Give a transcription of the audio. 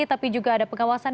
tapi juga ada pengawasan